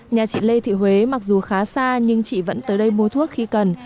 nhà chị lê thị huế mặc dù khá xa nhưng chị vẫn tới đây mua thuốc khi cần